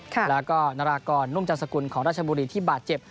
แล้วก็นารากรนุ่มจันสกุลของราชบุรีที่บาดเจ็บ